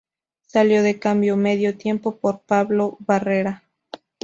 Salió de cambio medio tiempo por Pablo Barrera.